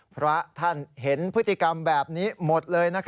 พระท่านเห็นพฤติกรรมแบบนี้หมดเลย